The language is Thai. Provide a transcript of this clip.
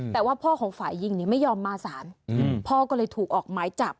แต่ว่าพ่อของฝ่ายหญิงเนี่ยไม่ยอมมาสารอืมพ่อก็เลยถูกออกไม้จับ